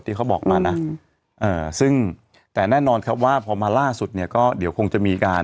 เขาบอกมานะซึ่งแต่แน่นอนครับว่าพอมาล่าสุดเนี่ยก็เดี๋ยวคงจะมีการ